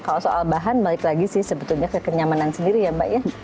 kalau soal bahan balik lagi sih sebetulnya ke kenyamanan sendiri ya mbak ya